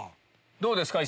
どうですか？